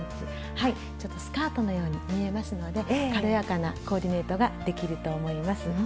ちょっとスカートのように見えますので軽やかなコーディネートができると思います。